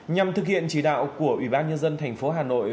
nhằm thực hiện chỉ đạo của ubnd tp hà nội